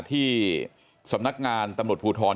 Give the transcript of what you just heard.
ที่สำนักงานตำรวจภูทร